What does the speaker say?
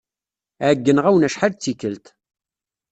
Ɛeyyneɣ-awen acḥal d tikkelt.